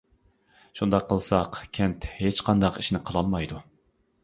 شۇنداق قىلساق، كەنت ھېچقانداق ئىشنى قىلالمايدۇ.